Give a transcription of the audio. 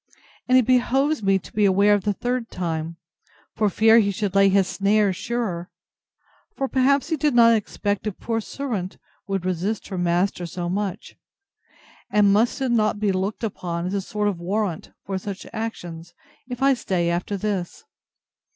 And it behoves me to beware of the third time, for fear he should lay his snares surer; for perhaps he did not expect a poor servant would resist her master so much. And must it not be looked upon as a sort of warrant for such actions, if I stay after this?